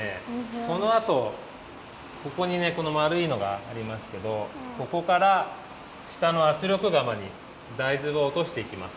そのあとここにねこのまるいのがありますけどここからしたのあつりょくがまに大豆をおとしていきます。